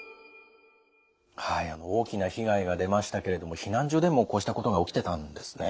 大きな被害が出ましたけれども避難所でもこうしたことが起きてたんですね。